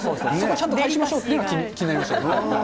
ちゃんと返しましょうっていうのが、ちょっと気になりましたけど。